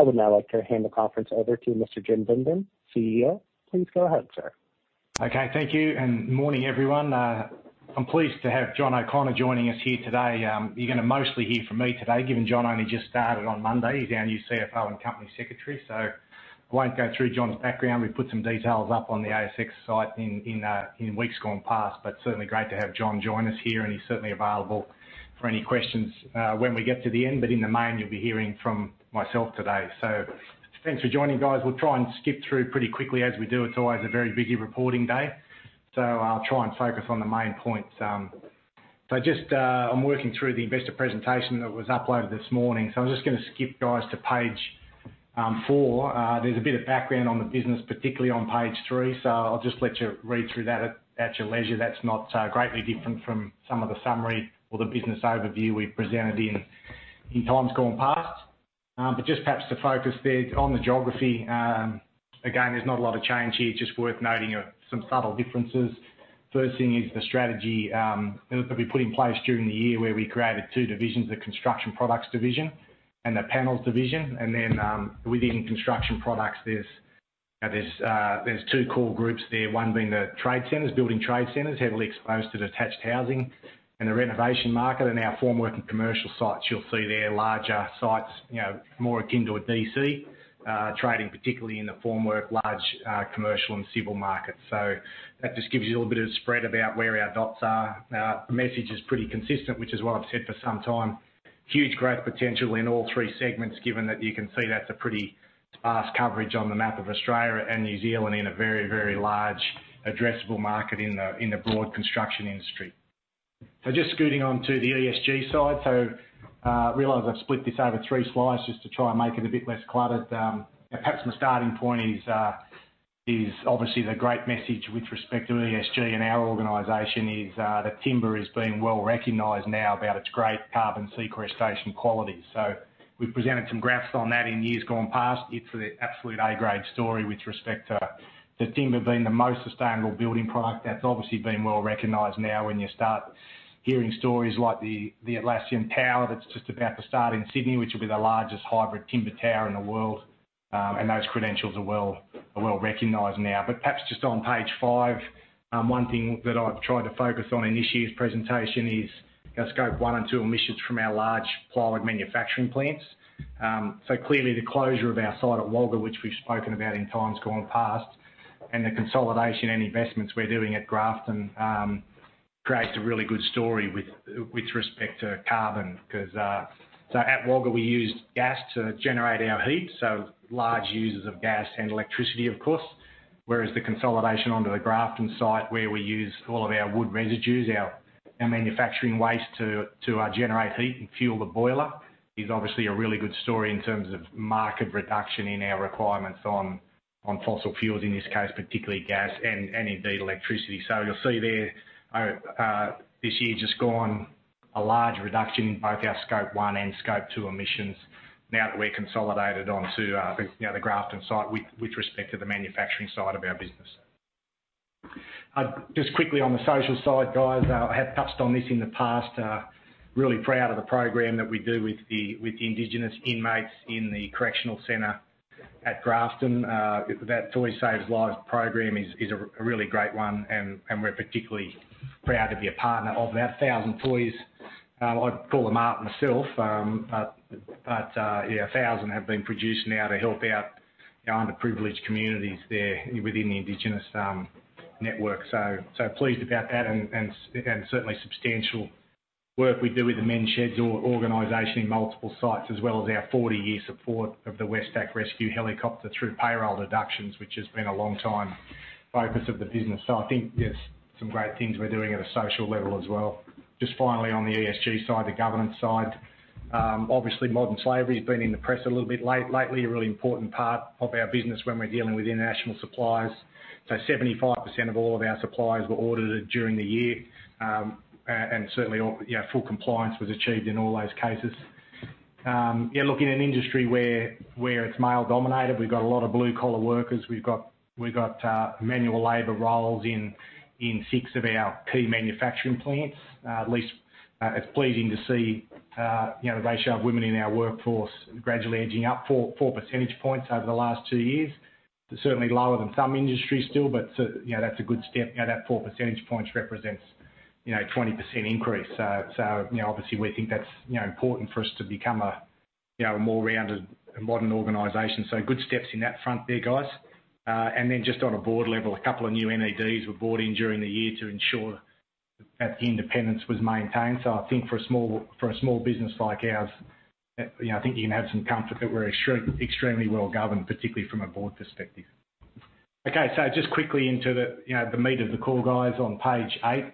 I would now like to hand the conference over to Mr. Jim Bindon, CEO. Please go ahead, sir. Okay, thank you, and morning, everyone. I'm pleased to have John O'Connor joining us here today. You're gonna mostly hear from me today, given John only just started on Monday. He's our new CFO and Company Secretary, so won't go through John's background. We put some details up on the ASX site in weeks gone past, but certainly great to have John join us here, and he's certainly available for any questions when we get to the end. In the main, you'll be hearing from myself today. Thanks for joining, guys. We'll try and skip through pretty quickly as we do. It's always a very busy reporting day, so I'll try and focus on the main points. Just, I'm working through the investor presentation that was uploaded this morning, so I'm just gonna skip you guys to page four. There's a bit of background on the business, particularly on page three, so I'll just let you read through that at your leisure. That's not greatly different from some of the summary or the business overview we've presented in times gone past. Just perhaps to focus there on the geography, again, there's not a lot of change here, just worth noting of some subtle differences. First thing is the strategy that we put in place during the year where we created two divisions, the Construction Products division and the Panels division. Within Construction Products there's, you know, two core groups there, one being the trade centers, building trade centers heavily exposed to detached housing and the renovation market, and our formwork and commercial sites you'll see there, larger sites, you know, more akin to a DC trading, particularly in the formwork, large commercial and civil markets. That just gives you a little bit of spread about where our dots are. Now, the message is pretty consistent, which is what I've said for some time. Huge growth potential in all three segments, given that you can see that's a pretty sparse coverage on the map of Australia and New Zealand in a very, very large addressable market in the broad construction industry. Just scooting on to the ESG side. Realize I've split this over three slides just to try and make it a bit less cluttered. Perhaps my starting point is obviously the great message with respect to ESG and our organization is that timber is being well-recognized now about its great carbon sequestration quality. We've presented some graphs on that in years gone past. It's the absolute A grade story with respect to the timber being the most sustainable building product that's obviously been well-recognized now when you start hearing stories like the Atlassian tower that's just about to start in Sydney, which will be the largest hybrid timber tower in the world. Those credentials are well-recognized now. Perhaps just on page five, one thing that I've tried to focus on in this year's presentation is, you know, Scope one and two emissions from our large plywood manufacturing plants. Clearly the closure of our site at Wagga, which we've spoken about in times gone past, and the consolidation and investments we're doing at Grafton creates a really good story with respect to carbon. Because at Wagga we used gas to generate our heat, so large users of gas and electricity of course, whereas the consolidation onto the Grafton site where we use all of our wood residues, our manufacturing waste to generate heat and fuel the boiler is obviously a really good story in terms of marked reduction in our requirements on fossil fuels, in this case particularly gas and indeed electricity. You'll see there, this year just gone a large reduction in both our Scope one and Scope two emissions now that we're consolidated onto the Grafton site with respect to the manufacturing side of our business. Just quickly on the social side, guys, I have touched on this in the past. Really proud of the program that we do with the indigenous inmates in the correctional center at Grafton. That Toys Save Lives program is a really great one and we're particularly proud to be a partner of that. Thousand toys, I'd call them out myself, but yeah, a thousand have been produced now to help out, you know, underprivileged communities there within the indigenous network. Pleased about that and certainly substantial work we do with the Men's Shed organization in multiple sites, as well as our 40-year support of the Westpac Rescue Helicopter through payroll deductions, which has been a long time focus of the business. I think there's some great things we're doing at a social level as well. Just finally on the ESG side, the governance side, obviously modern slavery's been in the press a little bit lately, a really important part of our business when we're dealing with international suppliers. 75% of all of our suppliers were audited during the year. And certainly all, you know, full compliance was achieved in all those cases. Yeah, look, in an industry where it's male dominated, we've got a lot of blue collar workers. We've got manual labor roles in six of our key manufacturing plants. At least it's pleasing to see you know, the ratio of women in our workforce gradually edging up four percentage points over the last two years. They're certainly lower than some industries still, but you know, that's a good step. You know, that four percentage points represents you know, 20% increase. You know, obviously we think that's you know, important for us to become a you know, a more rounded and modern organization. Good steps on that front there, guys. Just on a board level, a couple of new NEDs were brought in during the year to ensure that independence was maintained. I think for a small business like ours, you know, I think you can have some comfort that we're extremely well governed, particularly from a board perspective. Okay, just quickly into the, you know, the meat of the call, guys, on page eight.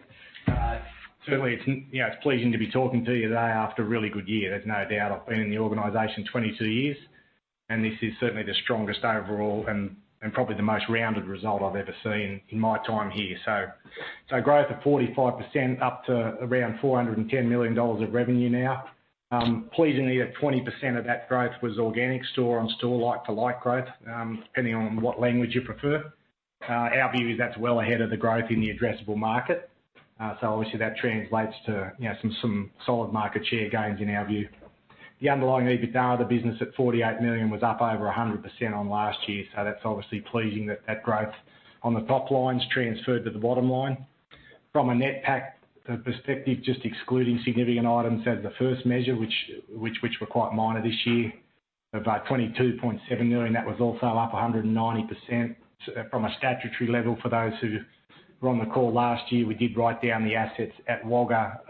Certainly, you know, it's pleasing to be talking to you today after a really good year. There's no doubt I've been in the organization 22 years, and this is certainly the strongest overall and probably the most rounded result I've ever seen in my time here. Growth of 45% up to around 410 million dollars of revenue now. Pleasingly that 20% of that growth was organic store on store, like for like growth, depending on what language you prefer. Our view is that's well ahead of the growth in the addressable market. So obviously that translates to, you know, some solid market share gains in our view. The underlying EBITDA of the business at 48 million was up over 100% on last year. So that's obviously pleasing that growth on the top line's transferred to the bottom line. From an NPAT perspective, just excluding significant items as the first measure, which were quite minor this year, about 22.7 million, that was also up 190%. So from a statutory level, for those who were on the call last year, we did write down the assets at Wagga,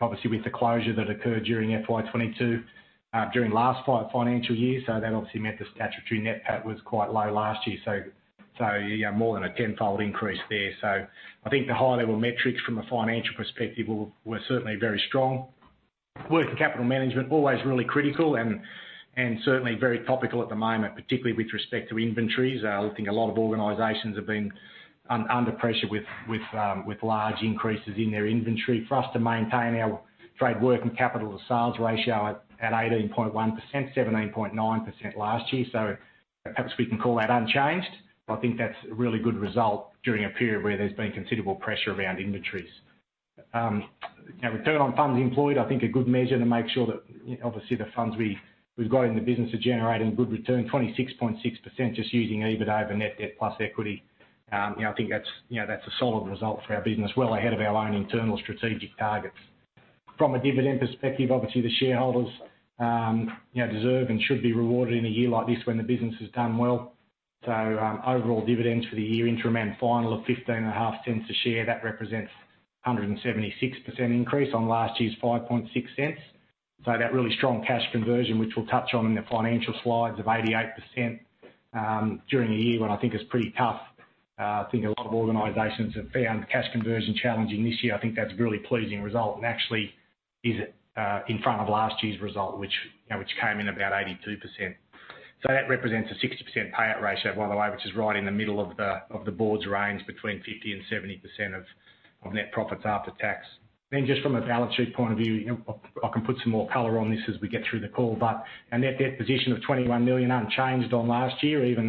obviously with the closure that occurred during FY22, during last financial year. So that obviously meant the statutory NPAT was quite low last year. Yeah, more than a tenfold increase there. I think the high-level metrics from a financial perspective were certainly very strong. Working capital management always really critical and certainly very topical at the moment, particularly with respect to inventories. I think a lot of organizations have been under pressure with large increases in their inventory. For us to maintain our trade working capital to sales ratio at 18.1%, 17.9% last year, perhaps we can call that unchanged, but I think that's a really good result during a period where there's been considerable pressure around inventories. You know, return on funds employed, I think a good measure to make sure that, you know, obviously the funds we've got in the business are generating good return, 26.6% just using EBITDA over net debt plus equity. You know, I think that's, you know, that's a solid result for our business, well ahead of our own internal strategic targets. From a dividend perspective, obviously, the shareholders, you know, deserve and should be rewarded in a year like this when the business has done well. Overall dividends for the year, interim and final of 0.155 per share, that represents a 176% increase on last year's 0.056. That really strong cash conversion, which we'll touch on in the financial slides, of 88%, during a year when I think it's pretty tough. I think a lot of organizations have found cash conversion challenging this year. I think that's a really pleasing result. Actually is in front of last year's result, which, you know, which came in about 82%. That represents a 60% payout ratio, by the way, which is right in the middle of the board's range between 50% and 70% of net profits after tax. Just from a balance sheet point of view, you know, I can put some more color on this as we get through the call, but our net debt position of 21 million unchanged from last year, even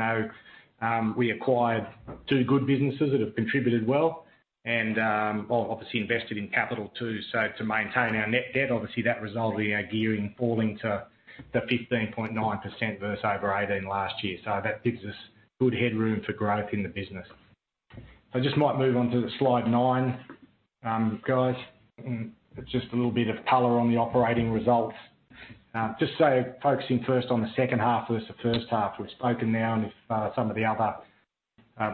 though we acquired two good businesses that have contributed well and obviously invested in capital too. To maintain our net debt, obviously that resulted in our gearing falling to the 15.9% versus over 18% last year. That gives us good headroom for growth in the business. I just might move on to slide nine, guys. It's just a little bit of color on the operating results. Just so focusing first on the second half versus the first half. We've spoken now, and if some of the other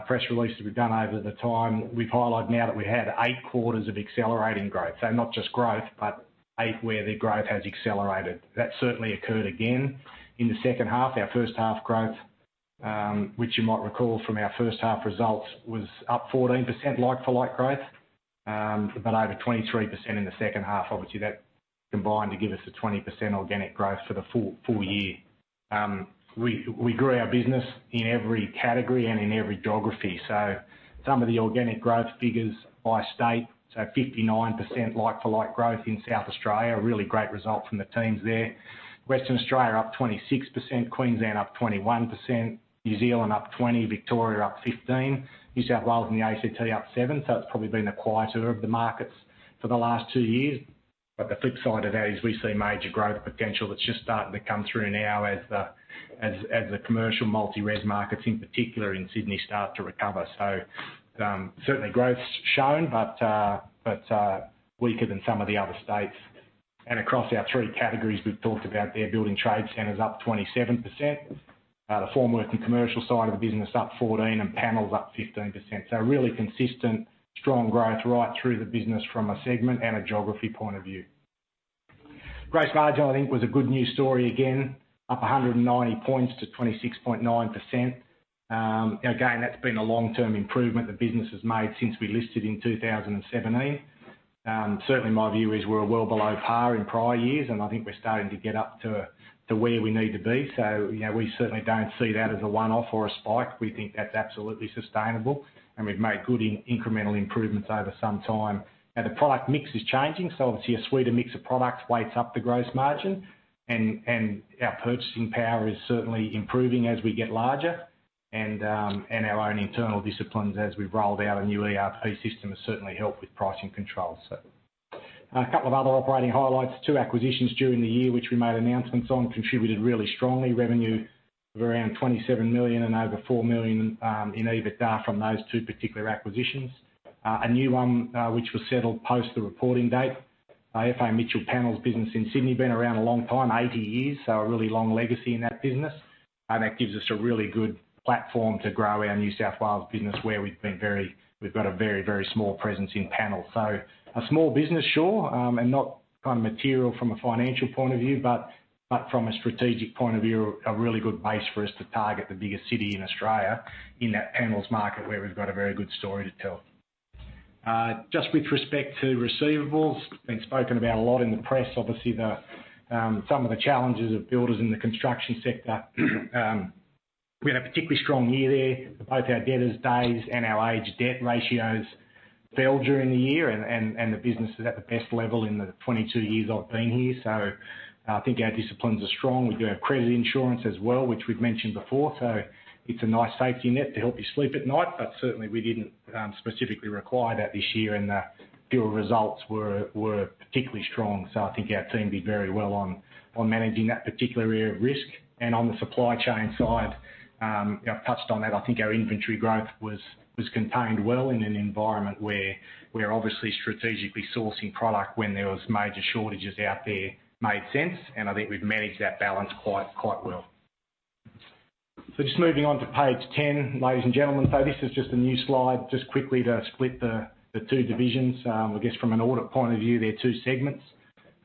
press releases we've done over time, we've highlighted now that we had eight quarters of accelerating growth. Not just growth, but eight where the growth has accelerated. That certainly occurred again in the second half. Our first half growth, which you might recall from our first half results, was up 14% like-for-like growth, but over 23% in the second half. Obviously, that combined to give us a 20% organic growth for the full year. We grew our business in every category and in every geography. Some of the organic growth figures by state, so 59% like-for-like growth in South Australia, a really great result from the teams there. Western Australia up 26%, Queensland up 21%, New Zealand up 20%, Victoria up 15%, New South Wales and the ACT up 7%. It's probably been the quieter of the markets for the last two years. The flip side of that is we see major growth potential that's just starting to come through now as the commercial multi-res markets, in particular in Sydney, start to recover. Certainly growth's shown, but weaker than some of the other states. Across our three categories we've talked about there, building trade centers up 27%, the formwork and commercial side of the business up 14%, and panels up 15%. Really consistent, strong growth right through the business from a segment and a geography point of view. Gross margin, I think, was a good news story again, up 190 points to 26.9%. Again, that's been a long-term improvement the business has made since we listed in 2017. Certainly my view is we're well below par in prior years, and I think we're starting to get up to where we need to be. You know, we certainly don't see that as a one-off or a spike. We think that's absolutely sustainable, and we've made good incremental improvements over some time. Now the product mix is changing, so obviously a sweeter mix of products weighs up the gross margin and our purchasing power is certainly improving as we get larger and our own internal disciplines as we've rolled out a new ERP system has certainly helped with pricing controls. A couple of other operating highlights. Two acquisitions during the year, which we made announcements on, contributed really strongly. Revenue of around 27 million and over 4 million in EBITDA from those two particular acquisitions. A new one, which was settled post the reporting date. FA Mitchell Panels business in Sydney, been around a long time, 80 years, so a really long legacy in that business. That gives us a really good platform to grow our New South Wales business, where we've got a very, very small presence in panels. So a small business, sure, and not kind of material from a financial point of view, but from a strategic point of view, a really good base for us to target the biggest city in Australia in that panels market where we've got a very good story to tell. Just with respect to receivables, been spoken about a lot in the press, obviously some of the challenges of builders in the construction sector. We had a particularly strong year there. Both our debtors days and our aged debt ratios fell during the year and the business is at the best level in the 22 years I've been here. I think our disciplines are strong. We do have credit insurance as well, which we've mentioned before, so it's a nice safety net to help you sleep at night. Certainly we didn't specifically require that this year, and our results were particularly strong. I think our team did very well on managing that particular area of risk. On the supply chain side, I've touched on that. I think our inventory growth was contained well in an environment where we're obviously strategically sourcing product when there was major shortages out there. It made sense. I think we've managed that balance quite well. Just moving on to page 10, ladies and gentlemen. This is just a new slide just quickly to split the two divisions. I guess from an audit point of view, they're two segments.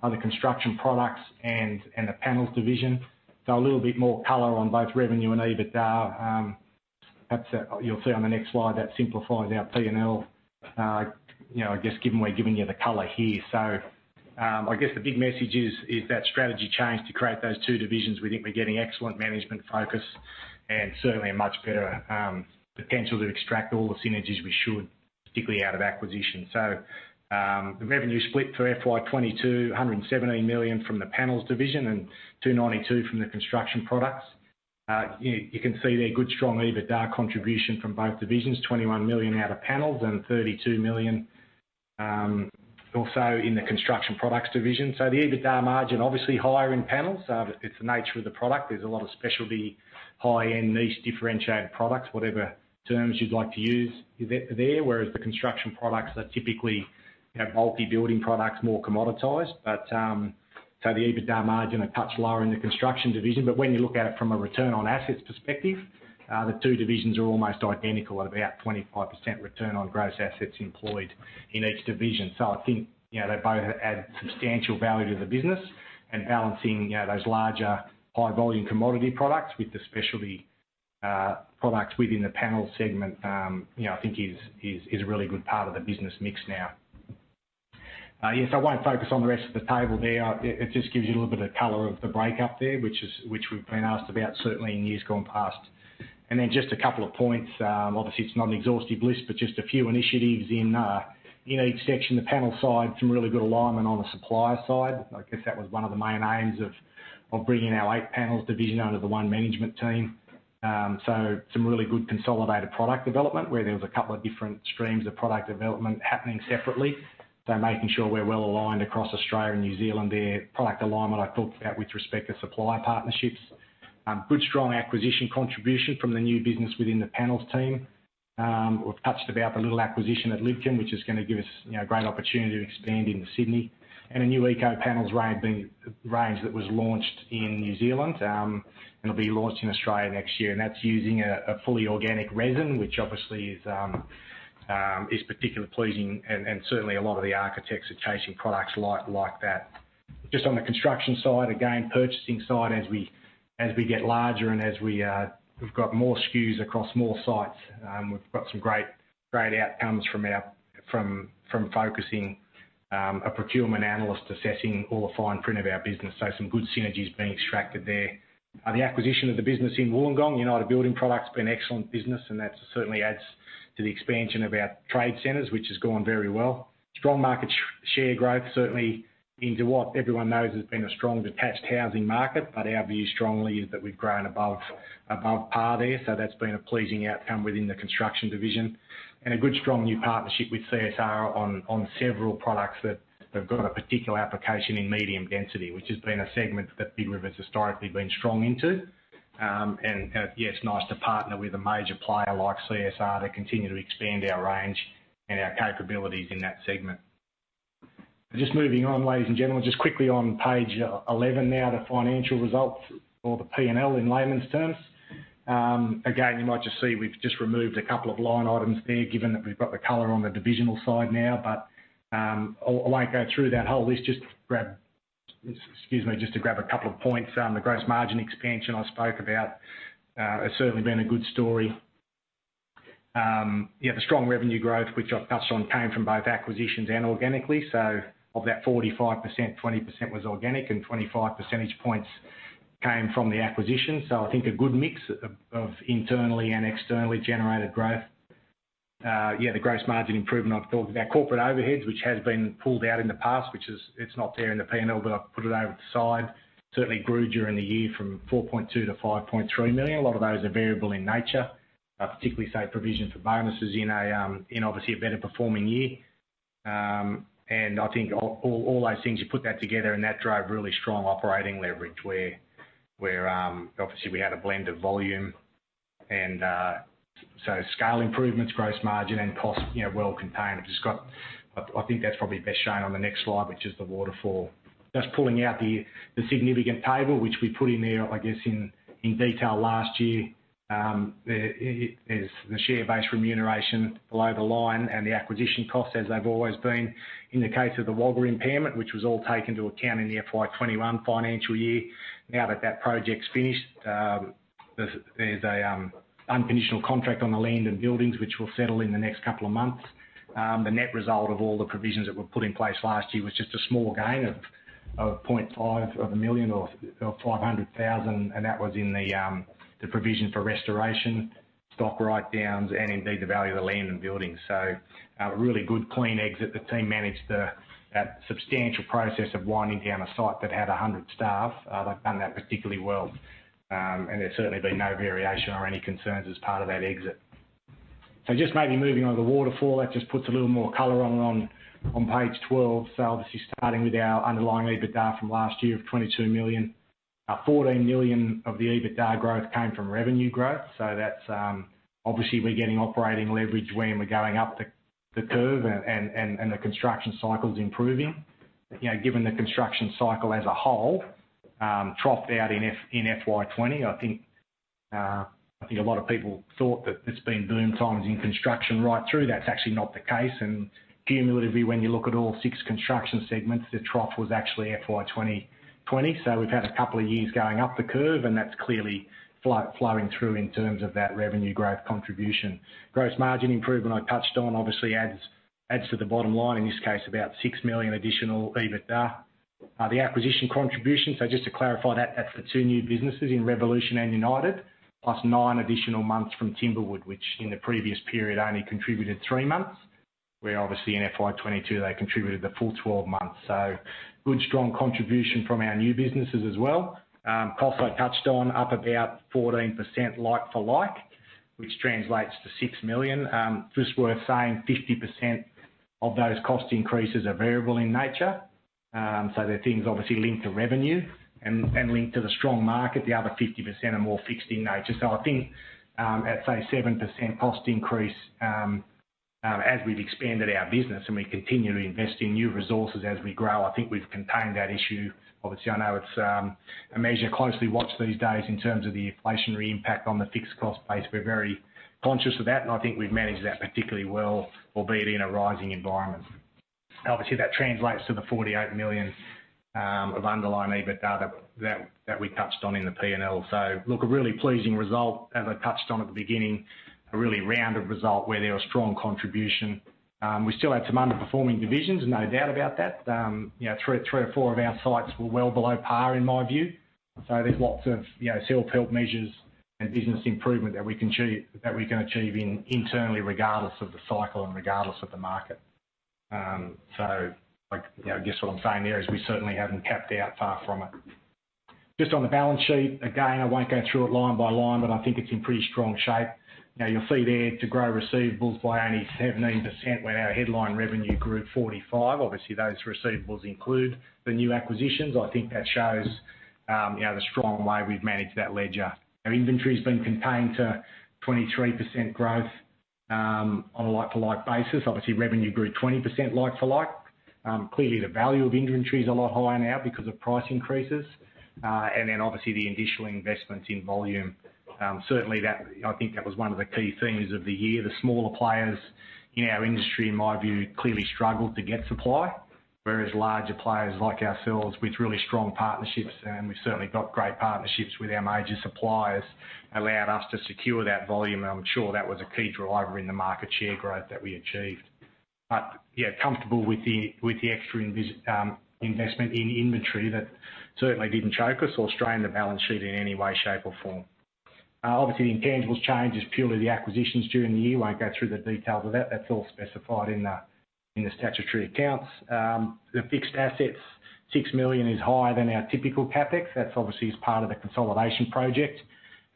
Other construction products and the Panels division. A little bit more color on both revenue and EBITDA. That's it. You'll see on the next slide that simplifies our P&L. You know, I guess given we're giving you the color here. I guess the big message is that strategy change to create those two divisions. We think we're getting excellent management focus and certainly a much better potential to extract all the synergies we should, particularly out of acquisitions. The revenue split for FY22, 117 million from the Panels division and 292 million from the Construction Products division. You can see their good, strong EBITDA contribution from both divisions, 21 million out of Panels and 32 million also in the Construction Products division. The EBITDA margin, obviously higher in Panels. It's the nature of the product. There's a lot of specialty, high-end, niche, differentiated products, whatever terms you'd like to use there. Whereas the Construction Products are typically, you know, multi-building products, more commoditized. The EBITDA margin are a touch lower in the Construction Products division. When you look at it from a return on assets perspective, the two divisions are almost identical at about 25% return on gross assets employed in each division. I think, you know, they both add substantial value to the business and balancing, you know, those larger high volume commodity products with the specialty products within the panel segment, you know, I think is a really good part of the business mix now. Yes, I won't focus on the rest of the table there. It just gives you a little bit of color of the breakup there, which we've been asked about certainly in years gone past. Then just a couple of points. Obviously it's not an exhaustive list, but just a few initiatives in each section. The panel side, some really good alignment on the supplier side. I guess that was one of the main aims of bringing our Panels division under the one management team. Some really good consolidated product development where there was a couple of different streams of product development happening separately. Making sure we're well aligned across Australia and New Zealand there. Product alignment, I talked about with respect to supplier partnerships. Good, strong acquisition contribution from the new business within the Panels team. We've touched about the little acquisition at Lidcombe, which is gonna give us, you know, great opportunity to expand into Sydney and a new Eco-Panels range that was launched in New Zealand, and will be launched in Australia next year. That's using a fully organic resin, which obviously is particularly pleasing and certainly a lot of the architects are chasing products like that. Just on the construction side, again, purchasing side as we get larger and as we've got more SKUs across more sites, we've got some great outcomes from focusing a procurement analyst assessing all the fine print of our business. So some good synergies being extracted there. The acquisition of the business in Wollongong, United Building Products, been excellent business and that certainly adds to the expansion of our trade centers, which has gone very well. Strong market share growth, certainly into what everyone knows has been a strong detached housing market. Our view strongly is that we've grown above par there. That's been a pleasing outcome within the construction division and a good, strong new partnership with CSR on several products that have got a particular application in medium density, which has been a segment that Big River has historically been strong into. Yeah, it's nice to partner with a major player like CSR to continue to expand our range and our capabilities in that segment. Just moving on, ladies and gentlemen, just quickly on page eleven now, the financial results or the P&L in layman's terms. Again, you might just see we've just removed a couple of line items there, given that we've got the color on the divisional side now. I'll, I won't go through that whole list just to grab a couple of points. The gross margin expansion I spoke about has certainly been a good story. The strong revenue growth, which I've touched on, came from both acquisitions and organically. Of that 45%, 20% was organic and 25 percentage points came from the acquisition. I think a good mix of internally and externally generated growth. The gross margin improvement, I've talked about. Corporate overheads, which has been pulled out in the past, which is, it's not there in the P&L, but I've put it over the side, certainly grew during the year from 4.2 million to 5.3 million. A lot of those are variable in nature, particularly say provision for bonuses in a, in obviously a better performing year. I think all those things, you put that together and that drove really strong operating leverage where obviously we had a blend of volume and so scale improvements, gross margin and cost, you know, well contained, which I think that's probably best shown on the next slide, which is the waterfall. Just pulling out the significant table which we put in there, I guess in detail last year. There is the share-based remuneration below the line and the acquisition costs as they've always been. In the case of the Wagga impairment, which was all taken into account in the FY21 financial year. Now that project's finished, there's an unconditional contract on the land and buildings which will settle in the next couple of months. The net result of all the provisions that were put in place last year was just a small gain of 0.5 million or 500,000, and that was in the provision for restoration, stock write-downs, and indeed the value of the land and buildings. Really good clean exit. The team managed that substantial process of winding down a site that had 100 staff. They've done that particularly well. There's certainly been no variation or any concerns as part of that exit. Just maybe moving on to the waterfall, that just puts a little more color on page 12. Obviously starting with our underlying EBITDA from last year of 22 million. 14 million of the EBITDA growth came from revenue growth. That's obviously we're getting operating leverage when we're going up the curve and the construction cycle's improving. You know, given the construction cycle as a whole, dropped out in FY 2020, I think a lot of people thought that there's been boom times in construction right through. That's actually not the case. Cumulatively, when you look at all six construction segments, the trough was actually FY 2020. We've had a couple of years going up the curve, and that's clearly flowing through in terms of that revenue growth contribution. Gross margin improvement, I touched on obviously adds to the bottom line, in this case, about 6 million additional EBITDA. The acquisition contribution, so just to clarify that's the two new businesses in Revolution Roofing and United Building Products, plus nine additional months from Timberwood Group, which in the previous period only contributed three months. Where obviously in FY22 they contributed the full 12 months. Good, strong contribution from our new businesses as well. Costs I touched on up about 14% like for like, which translates to 6 million. Just worth saying 50% of those cost increases are variable in nature. So they're things obviously linked to revenue and linked to the strong market. The other 50% are more fixed in nature. I think, at say 7% cost increase, as we've expanded our business and we continue to invest in new resources as we grow, I think we've contained that issue. Obviously, I know it's a measure closely watched these days in terms of the inflationary impact on the fixed cost base. We're very conscious of that, and I think we've managed that particularly well, albeit in a rising environment. Obviously, that translates to the 48 million of underlying EBITDA that we touched on in the P&L. Look, a really pleasing result, as I touched on at the beginning, a really rounded result where there was strong contribution. We still had some underperforming divisions, no doubt about that. You know, three or four of our sites were well below par, in my view. There's lots of, you know, self-help measures and business improvement that we can achieve internally, regardless of the cycle and regardless of the market. Like, you know, I guess what I'm saying there is we certainly haven't capped out far from it. Just on the balance sheet, again, I won't go through it line by line, but I think it's in pretty strong shape. Now you'll see there to grow receivables by only 17% when our headline revenue grew 45%. Obviously, those receivables include the new acquisitions. I think that shows, you know, the strong way we've managed that ledger. Our inventory's been contained to 23% growth, on a like-for-like basis. Obviously, revenue grew 20% like for like. Clearly the value of inventory is a lot higher now because of price increases. And then obviously the additional investments in volume. Certainly that, I think that was one of the key themes of the year. The smaller players in our industry, in my view, clearly struggled to get supply, whereas larger players like ourselves with really strong partnerships, and we've certainly got great partnerships with our major suppliers, allowed us to secure that volume. I'm sure that was a key driver in the market share growth that we achieved. Yeah, comfortable with the extra investment in inventory that certainly didn't choke us or strain the balance sheet in any way, shape, or form. Obviously the intangibles change is purely the acquisitions during the year. Won't go through the details of that. That's all specified in the statutory accounts. The fixed assets, 6 million is higher than our typical CapEx. That's obviously as part of the consolidation project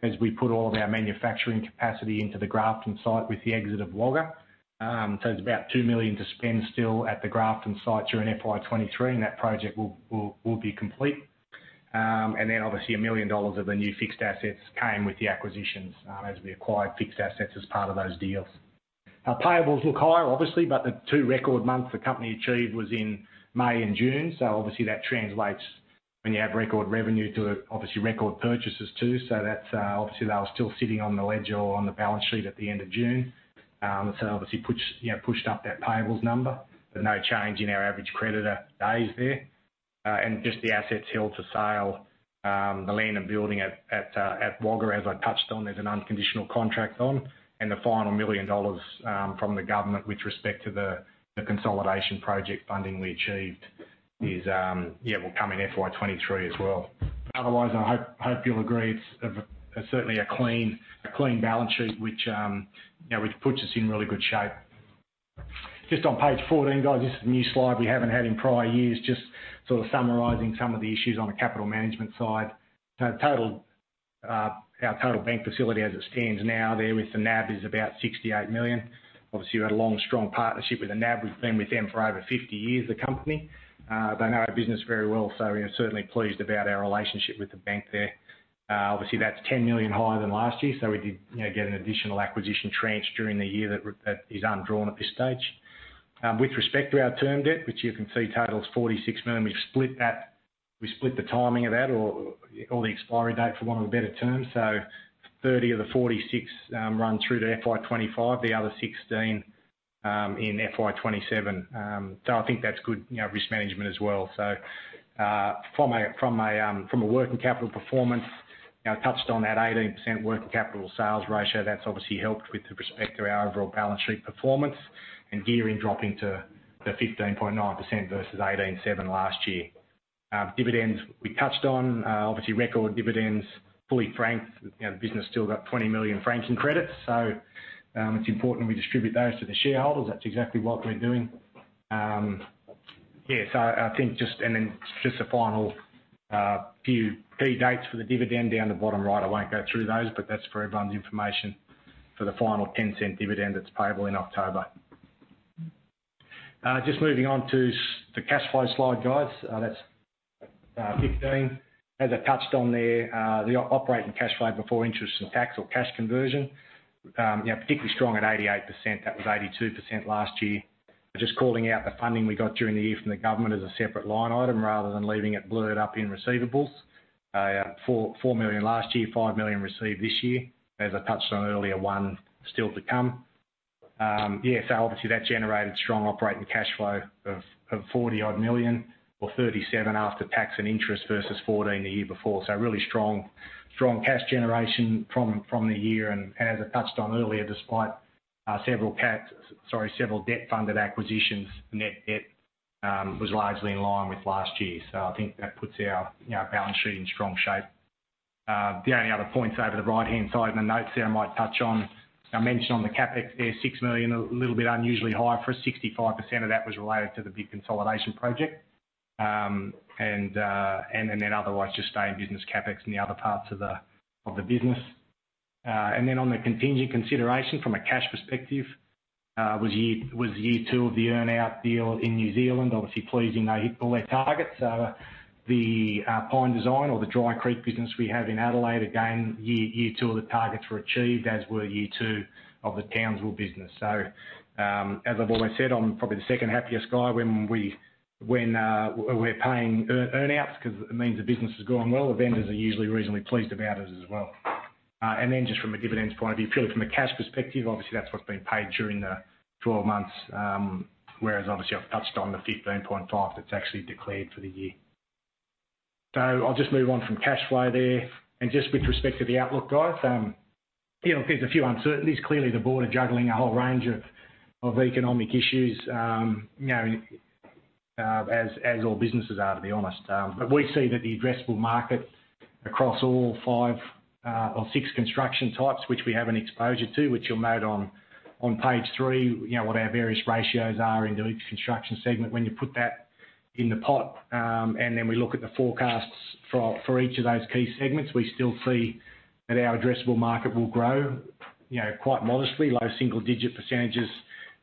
as we put all of our manufacturing capacity into the Grafton site with the exit of Wagga. It's about 2 million to spend still at the Grafton site during FY23, and that project will be complete. Obviously 1 million dollars of the new fixed assets came with the acquisitions, as we acquired fixed assets as part of those deals. Our payables look higher, obviously, but the two- record months the company achieved was in May and June. Obviously that translates when you have record revenue to obviously record purchases too. That's obviously they were still sitting on the ledger or on the balance sheet at the end of June. Obviously pushed up that payables number. There's no change in our average creditor days there. Just the assets held for sale, the land and building at Wagga, as I touched on, there's an unconditional contract on. The final million dollars from the government with respect to the consolidation project funding we achieved is, yeah, will come in FY23 as well. Otherwise, I hope you'll agree it's certainly a clean balance sheet, which, you know, puts us in really good shape. Just on page 14, guys, this is a new slide we haven't had in prior years, just sort of summarizing some of the issues on the capital management side. Our total bank facility as it stands now there with the NAB is about 68 million. Obviously, we had a long, strong partnership with the NAB. We've been with them for over 50 years, the company. They know our business very well. We are certainly pleased about our relationship with the bank there. Obviously, that's 10 million higher than last year, we did get an additional acquisition tranche during the year that is undrawn at this stage. With respect to our term debt, which you can see totals 46 million, we've split that. We split the timing of that or the expiry date, for want of a better term. Thirty of the 46 run through to FY25, the other 16 in FY27. I think that's good, you know, risk management as well. From a working capital performance. Now I touched on that 18% working capital sales ratio. That's obviously helped with respect to our overall balance sheet performance and gearing dropping to 15.9% versus 18.7% last year. Dividends, we touched on, obviously record dividends, fully franked. You know, the business has still got AUD 20 million franking credits. So, it's important we distribute those to the shareholders. That's exactly what we're doing. I think, and then just the final few key dates for the dividend down the bottom right. I won't go through those, but that's for everyone's information for the final 0.10 dividend that's payable in October. Just moving on to the cash flow slide, guys. That's 15. As I touched on there, the operating cash flow before interest and tax or cash conversion, you know, particularly strong at 88%. That was 82% last year. Just calling out the funding we got during the year from the government as a separate line item rather than leaving it blurred up in receivables. Four million last year, five million received this year. As I touched on earlier, one still to come. Obviously that generated strong operating cash flow of 40-odd million or 37 after tax and interest versus 14 the year before. Really strong cash generation from the year. I touched on earlier, despite several debt-funded acquisitions, net debt was largely in line with last year. I think that puts our balance sheet in strong shape. The only other points over the right-hand side in the notes there I might touch on. I mentioned on the CapEx there, 6 million, a little bit unusually high for us. 65% of that was related to the big consolidation project. Otherwise just staying business CapEx in the other parts of the business. On the contingent consideration from a cash perspective, was year two of the earn-out deal in New Zealand, obviously pleasing. They hit all their targets. The Pine Design or the Dry Creek business we have in Adelaide, again, year two of the targets were achieved, as were year two of the Townsville business. As I've always said, I'm probably the second happiest guy when we're paying earn-outs because it means the business is going well. The vendors are usually reasonably pleased about it as well. Just from a dividends point of view, purely from a cash perspective, obviously that's what's been paid during the 12 months, whereas obviously I've touched on the 15.5 that's actually declared for the year. I'll just move on from cash flow there. Just with respect to the outlook, guys, you know, there's a few uncertainties. Clearly, the board are juggling a whole range of economic issues, you know, as all businesses are, to be honest. We see that the addressable market across all five or six construction types, which we have an exposure to, which you'll note on page three, you know, what our various ratios are in the construction segment. When you put that in the pot, and then we look at the forecasts for each of those key segments, we still see that our addressable market will grow, you know, quite modestly, low single-digit percentages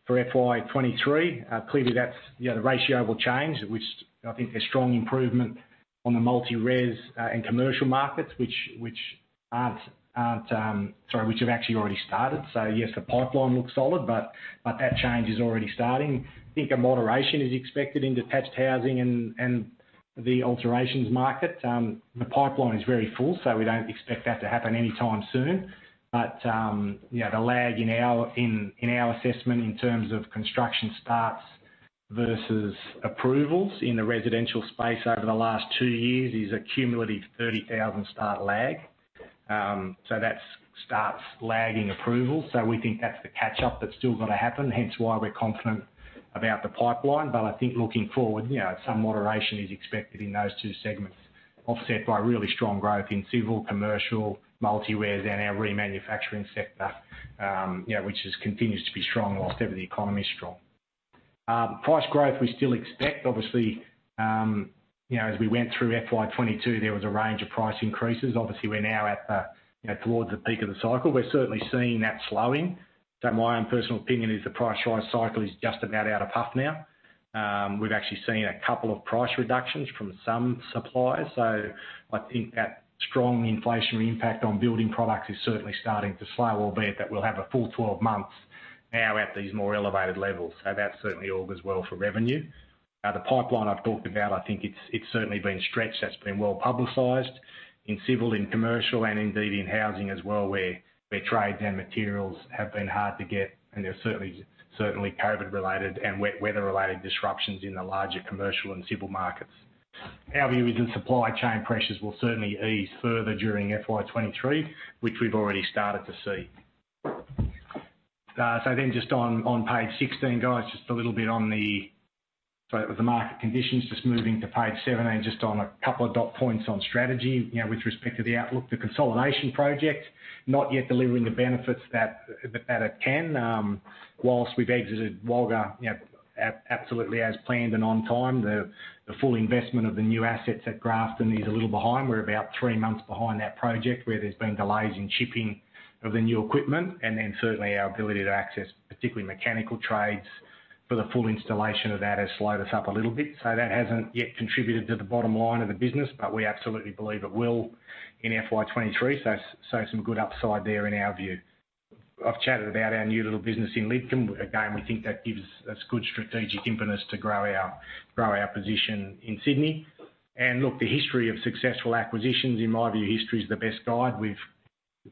for FY23. Clearly that's, you know, the ratio will change, which I think a strong improvement on the multi-res and commercial markets, which have actually already started. Yes, the pipeline looks solid, but that change is already starting. I think a moderation is expected in detached housing and the alterations market. The pipeline is very full, so we don't expect that to happen anytime soon. You know, the lag in our assessment in terms of construction starts versus approvals in the residential space over the last two years is a cumulative 30,000 start lag. That's starts lagging approvals. We think that's the catch-up that's still gotta happen, hence why we're confident about the pipeline. I think looking forward, you know, some moderation is expected in those two segments, offset by really strong growth in civil, commercial, multi-res and our remanufacturing sector, you know, which continues to be strong while every economy is strong. Price growth we still expect. Obviously, you know, as we went through FY22, there was a range of price increases. Obviously, we're now at the, you know, towards the peak of the cycle. We're certainly seeing that slowing. My own personal opinion is the price rise cycle is just about out of puff now. We've actually seen a couple of price reductions from some suppliers. I think that strong inflationary impact on building products is certainly starting to slow, albeit that we'll have a full twelve months now at these more elevated levels. That certainly augurs well for revenue. The pipeline I've talked about, I think it's certainly been stretched. That's been well publicized in civil, in commercial and indeed in housing as well, where trades and materials have been hard to get, and there's certainly COVID-related and weather-related disruptions in the larger commercial and civil markets. Our view is that supply chain pressures will certainly ease further during FY23, which we've already started to see. Just on page 16, guys, just a little bit on the market conditions. Just moving to page 17, just on a couple of dot points on strategy. You know, with respect to the outlook, the consolidation project, not yet delivering the benefits that it can. While we've exited Wagga, you know, absolutely as planned and on time, the full investment of the new assets at Grafton is a little behind. We're about three months behind that project where there's been delays in shipping of the new equipment, and then certainly our ability to access particularly mechanical trades for the full installation of that has slowed us up a little bit. That hasn't yet contributed to the bottom line of the business, but we absolutely believe it will in FY23. Some good upside there in our view. I've chatted about our new little business in Lidcombe. Again, we think that gives us good strategic impetus to grow our position in Sydney. Look, the history of successful acquisitions, in my view, history is the best guide.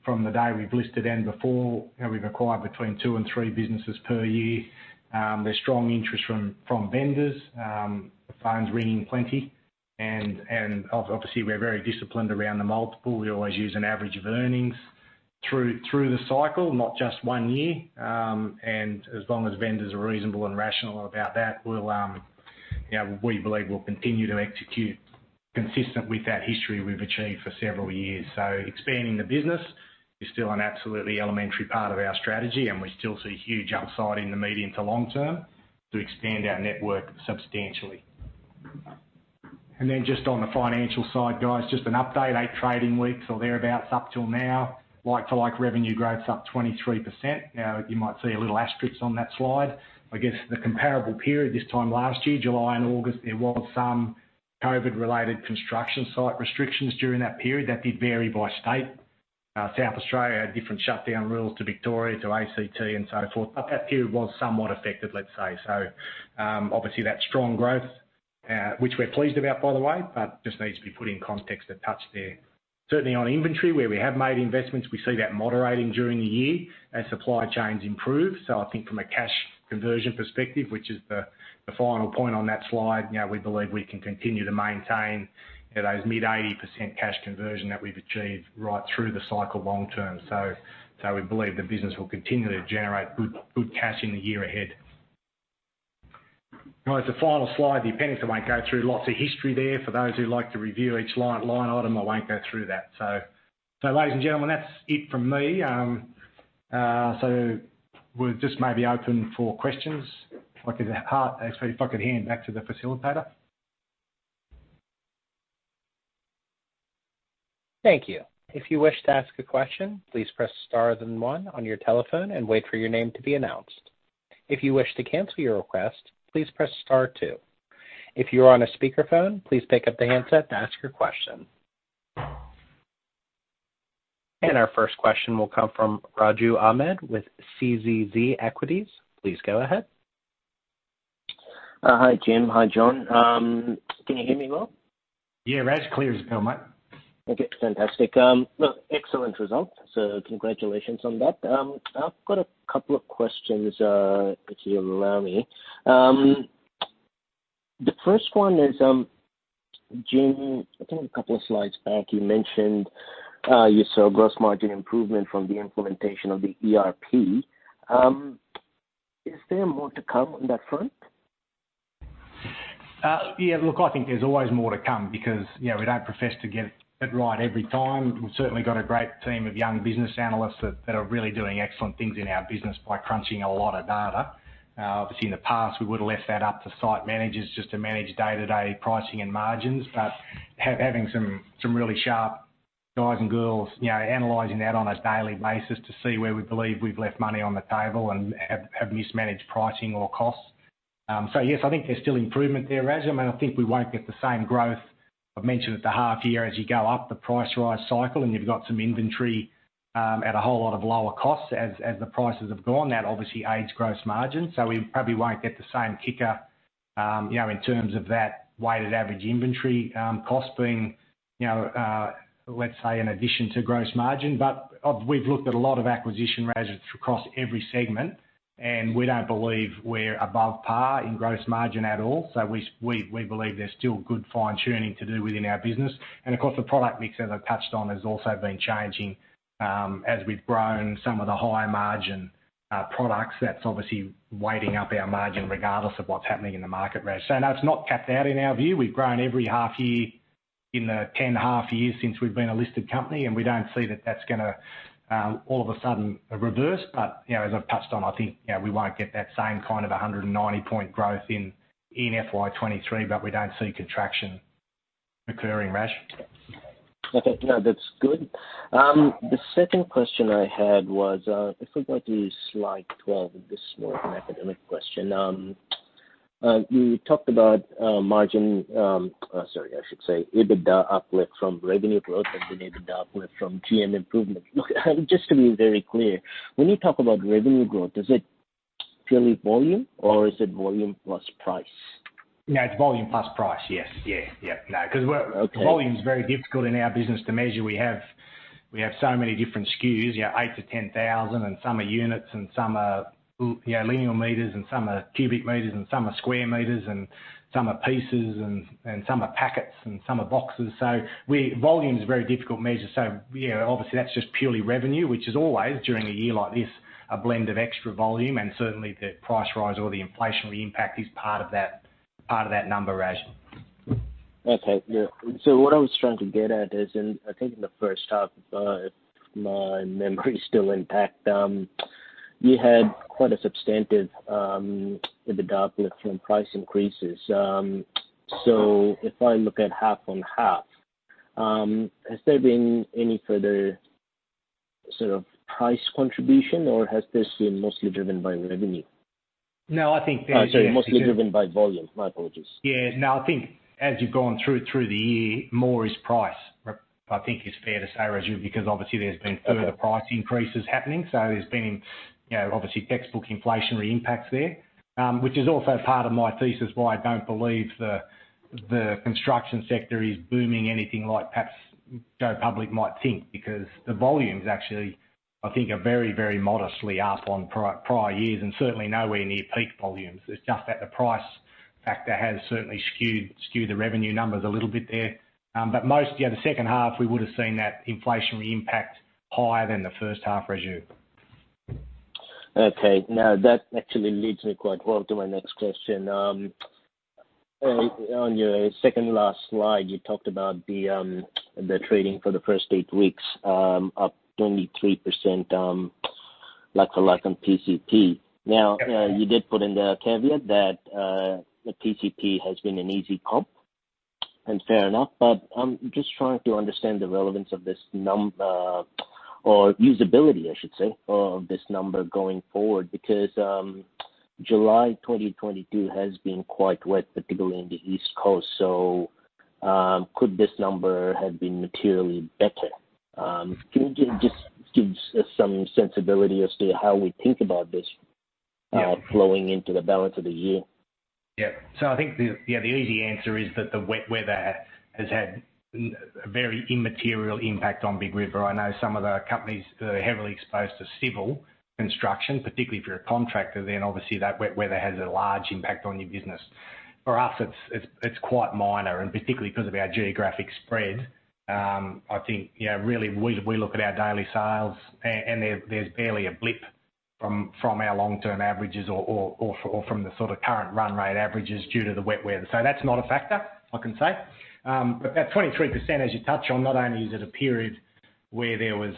From the day we've listed and before, we've acquired between two and three businesses per year. There's strong interest from vendors, the phone's ringing plenty. Obviously we're very disciplined around the multiple. We always use an average of earnings through the cycle, not just one year. As long as vendors are reasonable and rational about that, we'll, you know, we believe we'll continue to execute consistent with that history we've achieved for several years. Expanding the business is still an absolutely elementary part of our strategy, and we still see huge upside in the medium to long term to expand our network substantially. Then just on the financial side, guys, just an update. 8 trading weeks or thereabout up till now, like-for-like revenue growth's up 23%. Now, you might see a little asterisk on that slide. I guess the comparable period this time last year, July and August, there was some COVID-related construction site restrictions during that period that did vary by state. South Australia had different shutdown rules to Victoria to ACT and so forth. That period was somewhat affected, let's say. Obviously, that's strong growth, which we're pleased about, by the way, but just needs to be put in context a touch there. Certainly on inventory, where we have made investments, we see that moderating during the year as supply chains improve. I think from a cash conversion perspective, which is the final point on that slide, you know, we believe we can continue to maintain those mid-80% cash conversion that we've achieved right through the cycle long term. We believe the business will continue to generate good cash in the year ahead. All right, the final slide, the appendix I won't go through. Lots of history there for those who like to review each line item, I won't go through that. Ladies and gentlemen, that's it from me. We're just maybe open for questions. Like at the half, actually if I could hand back to the facilitator. Thank you. If you wish to ask a question, please press star then one on your telephone and wait for your name to be announced. If you wish to cancel your request, please press star two. If you are on a speakerphone, please pick up the handset to ask your question. Our first question will come from Raju Ahmed with CCZ Equities. Please go ahead. Hi, Jim. Hi, John. Can you hear me well? Yeah, Raju, clear as a bell, mate. Okay, fantastic. Look, excellent results, so congratulations on that. I've got a couple of questions, if you allow me. The first one is, Jim, I think a couple of slides back, you mentioned, you saw gross margin improvement from the implementation of the ERP. Is there more to come on that front? Yeah, look, I think there's always more to come because, you know, we don't profess to get it right every time. We've certainly got a great team of young business analysts that are really doing excellent things in our business by crunching a lot of data. Obviously, in the past, we would have left that up to site managers just to manage day-to-day pricing and margins, but having some really sharp guys and girls, you know, analyzing that on a daily basis to see where we believe we've left money on the table and have mismanaged pricing or costs. Yes, I think there's still improvement there, Raju, and I think we won't get the same growth. I've mentioned at the half year as you go up the price rise cycle and you've got some inventory at a whole lot of lower costs as the prices have gone, that obviously aids gross margin. We probably won't get the same kicker, you know, in terms of that weighted average inventory cost being, you know, let's say in addition to gross margin. We've looked at a lot of acquisitions, Raju, across every segment, and we don't believe we're above par in gross margin at all. We believe there's still good fine-tuning to do within our business. Of course, the product mix, as I've touched on, has also been changing as we've grown some of the higher margin products. That's obviously weighting up our margin regardless of what's happening in the market, Raju. No, it's not capped out in our view. We've grown every half year in the ten half years since we've been a listed company, and we don't see that that's gonna all of a sudden reverse. You know, as I've touched on, I think, you know, we won't get that same kind of 190-point growth in FY23, but we don't see contraction occurring, Raju. Okay. No, that's good. The second question I had was, if we go to slide 12, this is more of an academic question. You talked about EBITDA uplift from revenue growth and an EBITDA uplift from GM improvement. Look, just to be very clear, when you talk about revenue growth, is it purely volume or is it volume plus price? No, it's volume plus price. Yes. Yeah, yeah. No, 'cause we're. Okay. Volume is very difficult in our business to measure. We have so many different SKUs, you know, 8,000-10,000, and some are units and some are, you know, linear meters and some are cubic meters and some are square meters and some are pieces and some are packets and some are boxes. Volume is a very difficult measure. Yeah, obviously, that's just purely revenue, which is always, during a year like this, a blend of extra volume and certainly the price rise or the inflationary impact is part of that number, Raj. Okay. Yeah. What I was trying to get at is, and I think in the first half, if my memory is still intact, you had quite a substantial EBITDA uplift from price increases. If I look at half on half, has there been any further sort of price contribution or has this been mostly driven by revenue? No, I think. Sorry, mostly driven by volume. My apologies. Yeah. No, I think as you've gone through the year, more is priced. I think it's fair to say, Raju, because obviously there's been- Okay further price increases happening. There's been, you know, obviously textbook inflationary impacts there. Which is also part of my thesis why I don't believe the construction sector is booming anything like perhaps the public might think because the volumes actually, I think are very, very modestly up on prior years and certainly nowhere near peak volumes. It's just that the price factor has certainly skewed the revenue numbers a little bit there. In the second half, we would've seen that inflationary impact higher than the first half, Raju. Okay. Now, that actually leads me quite well to my next question. On your second last slide, you talked about the trading for the first eight weeks, up 23%, like for like on PCP. Now, you did put in the caveat that the PCP has been an easy comp, and fair enough. I'm just trying to understand the relevance of this number or usability, I should say, of this number going forward because July 2022 has been quite wet, particularly in the East Coast. Could this number have been materially better? Can you just give some sensibility as to how we think about this flowing into the balance of the year? I think the easy answer is that the wet weather has had a very immaterial impact on Big River. I know some of the companies that are heavily exposed to civil construction, particularly if you're a contractor, then obviously that wet weather has a large impact on your business. For us, it's quite minor, and particularly because of our geographic spread. I think, you know, really we look at our daily sales and there's barely a blip from our long-term averages or from the sort of current run rate averages due to the wet weather. That's not a factor, I can say. That 23% as you touch on, not only is it a period where there was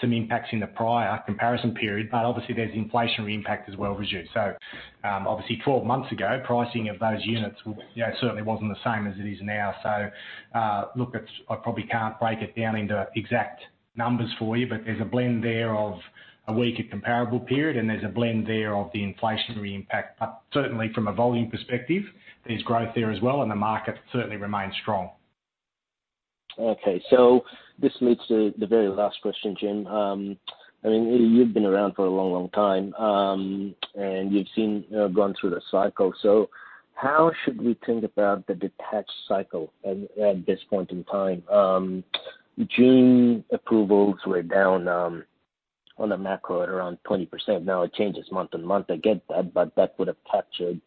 some impacts in the prior comparison period, but obviously there's inflationary impact as well, Raju. Obviously 12 months ago, pricing of those units you know, certainly wasn't the same as it is now. Look, I probably can't break it down into exact numbers for you, but there's a blend there of a weaker comparable period, and there's a blend there of the inflationary impact. Certainly from a volume perspective, there's growth there as well, and the market certainly remains strong. Okay. This leads to the very last question, Jim. I mean, you've been around for a long, long time, and you've seen, you know, gone through the cycle. How should we think about the detached cycle at this point in time? June approvals were down, on a macro at around 20%. Now it changes month to month. I get that, but that would have captured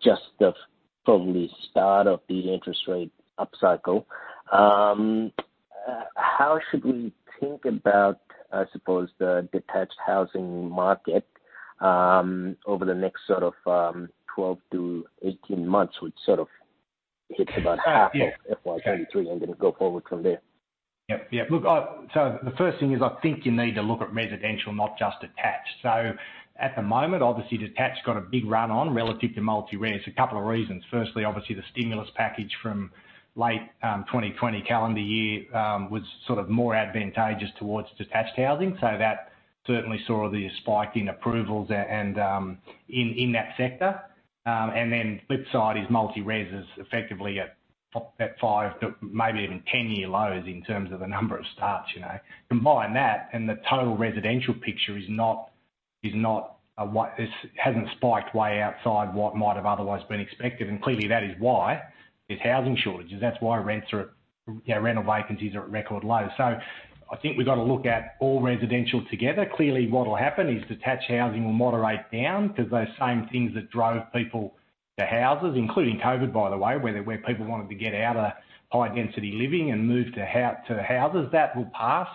just from the start of the interest rate up cycle. How should we think about, I suppose the detached housing market, over the next sort of, 12 to 18 months, which sort of hits about half of FY23 and then go forward from there? Yeah. Look, the first thing is I think you need to look at residential, not just attached. At the moment, obviously detached got a big run-up relative to multi-res. A couple of reasons. Firstly, obviously the stimulus package from late 2020 calendar year was sort of more advantageous towards detached housing. That certainly saw the spike in approvals and in that sector. The flip side is multi-res is effectively at five to maybe even 10-year lows in terms of the number of starts, you know. Combine that, and the total residential picture is not a winner. This hasn't spiked way outside what might have otherwise been expected. Clearly that is why there's housing shortages. That's why rents are at, you know, rental vacancies are at record lows. I think we've got to look at all residential together. Clearly what'll happen is detached housing will moderate down because those same things that drove people to houses, including COVID by the way, people wanted to get out of high-density living and move to houses, that will pass.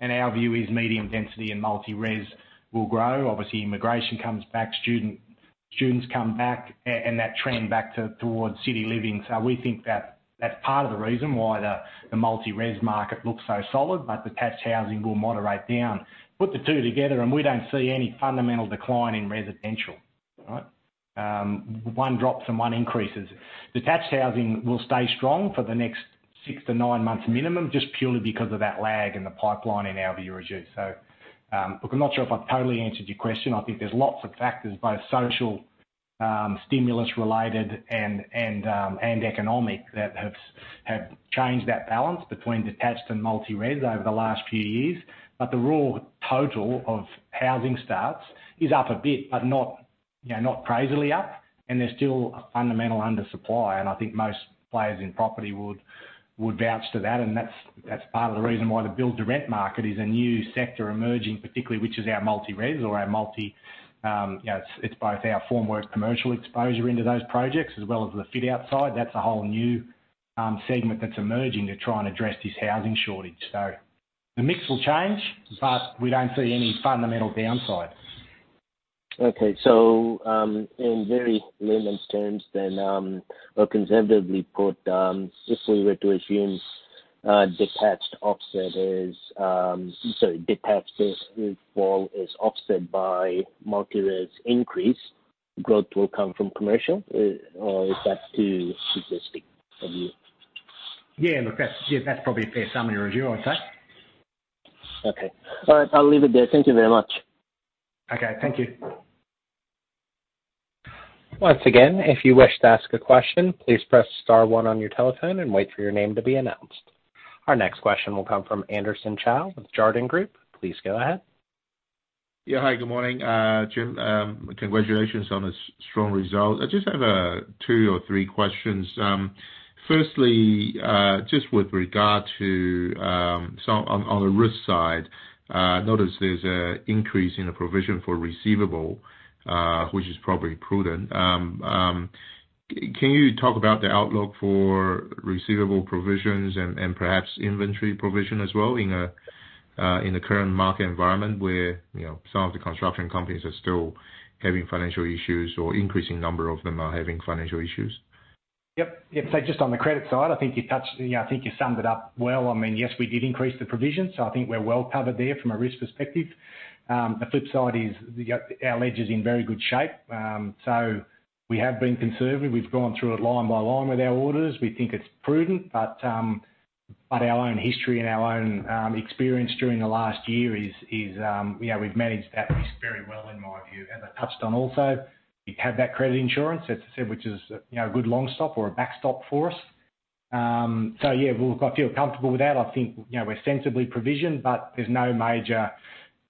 Our view is medium density and multi-res will grow. Obviously, immigration comes back, students come back and that trend towards city living. We think that that's part of the reason why the multi-res market looks so solid, but detached housing will moderate down. Put the two together, and we don't see any fundamental decline in residential. All right? One drops and one increases. Detached housing will stay strong for the next six to nine months minimum, just purely because of that lag in the pipeline in our view, Raju. Look, I'm not sure if I've totally answered your question. I think there's lots of factors, both social, stimulus related and economic that have changed that balance between detached and multi-res over the last few years. The raw total of housing starts is up a bit, but, you know, not crazily up. There's still a fundamental undersupply, and I think most players in property would vouch for that. That's part of the reason why the build-to-rent market is a new sector emerging, particularly which is our multi-res or our multi, you know, it's both our formwork commercial exposure into those projects as well as the fit out side. That's a whole new segment that's emerging to try and address this housing shortage. The mix will change, but we don't see any fundamental downside. Okay. In very layman's terms then, or conservatively put, if we were to assume, detached's fall is offset by multi-res increase. Growth will come from commercial, or is that too simplistic of you? Yeah, look, that's probably a fair summary or review, I'd say. Okay. All right, I'll leave it there. Thank you very much. Okay, thank you. Once again, if you wish to ask a question, please press star one on your telephone and wait for your name to be announced. Our next question will come from Anderson Chow with Jarden. Please go ahead. Yeah, hi, good morning. Jim, congratulations on a strong result. I just have two or three questions. Firstly, just with regard to something on the risk side, notice there's an increase in a provision for receivables, which is probably prudent. Can you talk about the outlook for receivables provisions and perhaps inventory provision as well in the current market environment where, you know, some of the construction companies are still having financial issues, or increasing number of them are having financial issues? Yeah, I think you summed it up well. I mean, yes, we did increase the provisions, so I think we're well covered there from a risk perspective. The flip side is our ledger is in very good shape. We have been conservative. We've gone through it line by line with our orders. We think it's prudent. But our own history and our own experience during the last year is, you know, we've managed that risk very well in my view. As I touched on also, we have that credit insurance, as I said, which is, you know, a good long stop or a backstop for us. Yeah, look, I feel comfortable with that. I think, you know, we're sensibly provisioned, but there's no major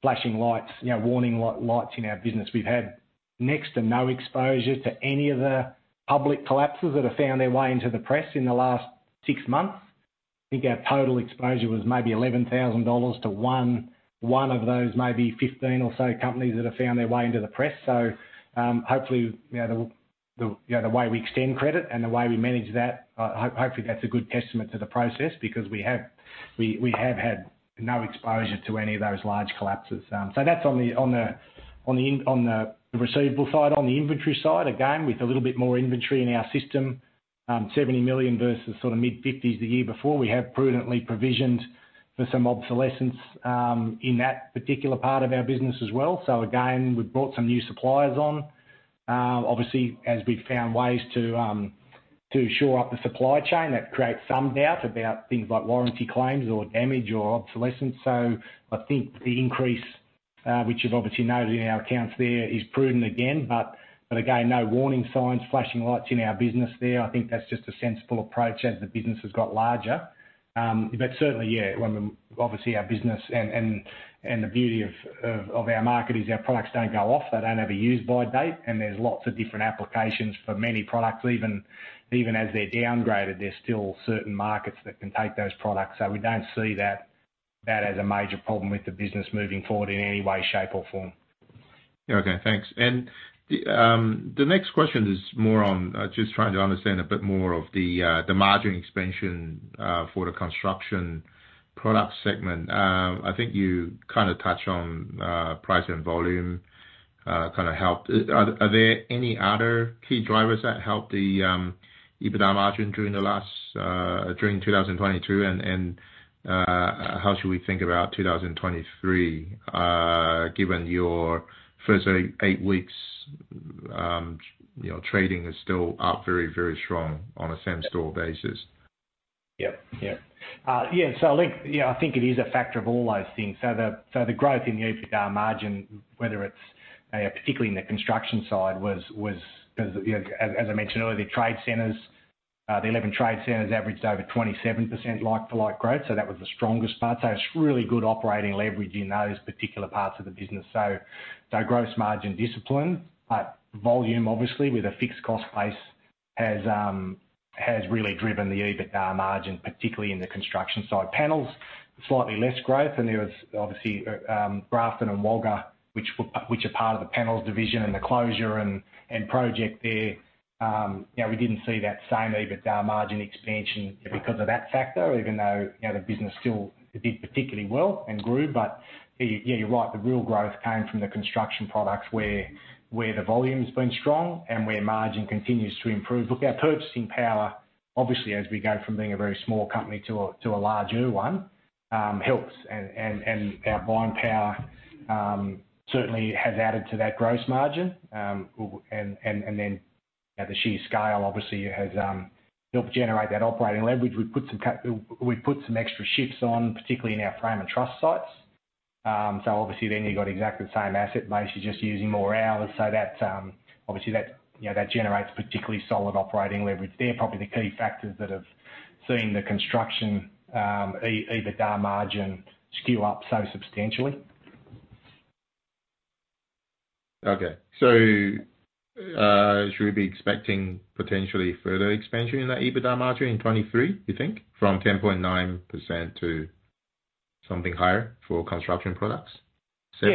flashing lights, you know, warning lights in our business. We've had next to no exposure to any of the public collapses that have found their way into the press in the last six months. I think our total exposure was maybe 11,000 dollars to one of those maybe 15 or so companies that have found their way into the press. Hopefully, you know, the way we extend credit and the way we manage that, hopefully that's a good testament to the process because we have had no exposure to any of those large collapses. That's on the receivable side. On the inventory side, again, with a little bit more inventory in our system, 70 million versus sort of mid-50s the year before, we have prudently provisioned for some obsolescence in that particular part of our business as well. We've brought some new suppliers on. Obviously, as we've found ways to shore up the supply chain, that creates some doubt about things like warranty claims or damage or obsolescence. I think the increase, which you've obviously noted in our accounts there, is prudent again. Again, no warning signs, flashing lights in our business there. I think that's just a sensible approach as the business has got larger. Certainly, yeah, I mean, obviously our business and the beauty of our market is our products don't go off, they don't have a use-by date, and there's lots of different applications for many products. Even as they're downgraded, there's still certain markets that can take those products. We don't see that as a major problem with the business moving forward in any way, shape, or form. Yeah, okay, thanks. The next question is more on just trying to understand a bit more of the margin expansion for the construction product segment. I think you kinda touched on price and volume kinda helped. Are there any other key drivers that help the EBITDA margin during 2022? How should we think about 2023 given your first eight weeks you know trading is still up very very strong on a same-store basis? I think, you know, I think it is a factor of all those things. The growth in the EBITDA margin, whether it's particularly in the construction side, was, you know, as I mentioned earlier, the trade centers, the 11 trade centers averaged over 27% like-for-like growth, so that was the strongest part. It's really good operating leverage in those particular parts of the business. Gross margin discipline, volume obviously with a fixed cost base has really driven the EBITDA margin, particularly in the construction side. Panels, slightly less growth and there was obviously, Grafton and Wagga which are part of the panels division and the closure and project there. You know, we didn't see that same EBITDA margin expansion because of that factor even though, you know, the business still did particularly well and grew. Yeah, you're right, the real growth came from the construction products where the volume's been strong and where margin continues to improve. Look, our purchasing power, obviously as we go from being a very small company to a larger one, helps and our buying power certainly has added to that gross margin. And then, you know, the sheer scale obviously has helped generate that operating leverage. We've put some extra shifts on, particularly in our frame and truss sites. So obviously then you've got exactly the same asset base, you're just using more hours. Obviously that generates particularly solid operating leverage there. Probably the key factors that have seen the construction EBITDA margin skew up so substantially. Should we be expecting potentially further expansion in that EBITDA margin in 2023, you think, from 10.9% to something higher for construction products? Seven?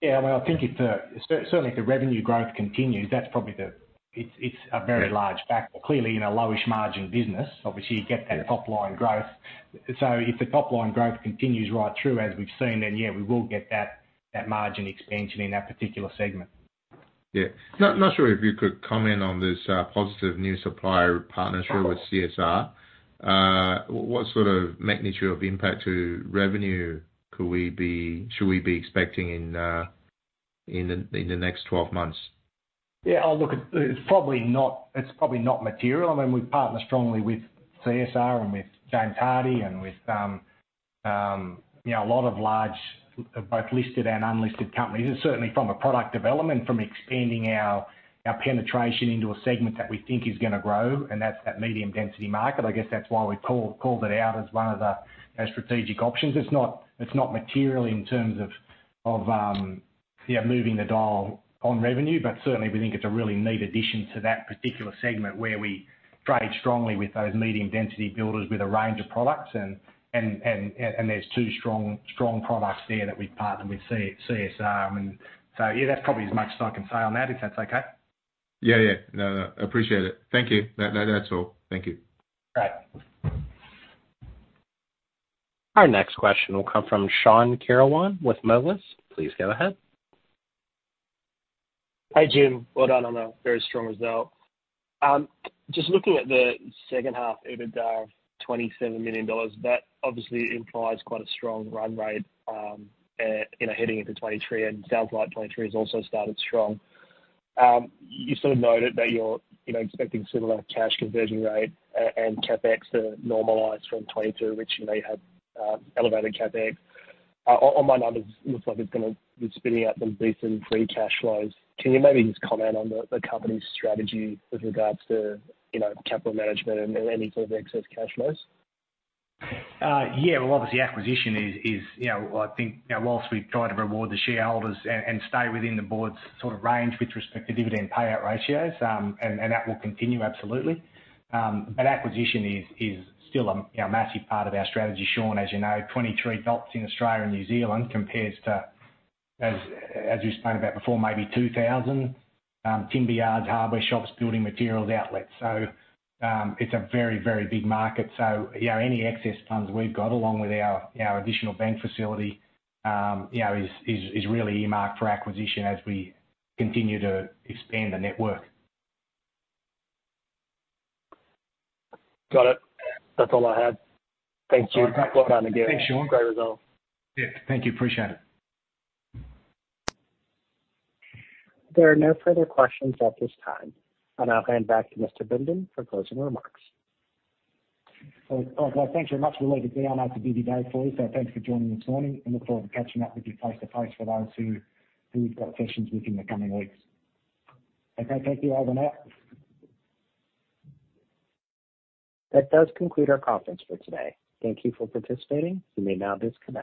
Yeah. I mean, I think certainly if the revenue growth continues, that's probably the. It's a very large factor. Clearly in a lowish margin business, obviously you get that top-line growth. If the top-line growth continues right through as we've seen, then yeah, we will get that margin expansion in that particular segment. Yeah. Not sure if you could comment on this, positive new supplier partnership with CSR. What sort of magnitude of impact to revenue? Should we be expecting in the next 12 months? Oh, look, it's probably not material. I mean, we partner strongly with CSR and with James Hardie and with you know a lot of large both listed and unlisted companies. Certainly from a product development, from expanding our penetration into a segment that we think is gonna grow, and that's that medium density market. I guess that's why we called it out as one of the strategic options. It's not material in terms of moving the dial on revenue. Certainly we think it's a really neat addition to that particular segment where we trade strongly with those medium density builders with a range of products and there's two strong products there that we've partnered with CSR and so, yeah, that's probably as much as I can say on that, if that's okay. Yeah. No, appreciate it. Thank you. That's all. Thank you. Great. Our next question will come from Sean Kirtley with Moelis. Please go ahead. Hi, Jim. Well done on a very strong result. Just looking at the second half EBITDA of 27 million dollars, that obviously implies quite a strong run rate, you know, heading into 2023, and it sounds like 2023 has also started strong. You sort of noted that you're, you know, expecting similar cash conversion rate and CapEx to normalize from 2022, which you may have elevated CapEx. On my numbers, looks like it's gonna be spinning out some decent free cash flows. Can you maybe just comment on the company's strategy with regards to, you know, capital management and any sort of excess cash flows? Well, obviously acquisition is, you know, I think, you know, while we try to reward the shareholders and stay within the board's sort of range with respect to dividend payout ratios, and that will continue absolutely. Acquisition is still a, you know, massive part of our strategy, Sean. As you know, 23 sites in Australia and New Zealand compares to, as you explained a bit before, maybe 2,000 timber yards, hardware shops, building materials outlets. It's a very, very big market. You know, any excess funds we've got, along with our additional bank facility, you know, is really earmarked for acquisition as we continue to expand the network. Got it. That's all I had. Thank you. All right. Well done again. Thanks, Sean. Great result. Yeah. Thank you. Appreciate it. There are no further questions at this time. I'll now hand back to Mr. Bindon for closing remarks. All right. Thank you very much. We'll leave it there. I know it's a busy day for you, so thanks for joining this morning and look forward to catching up with you face to face for those who've got questions within the coming weeks. Okay, thank you all. Over and out. That does conclude our conference for today. Thank you for participating. You may now disconnect.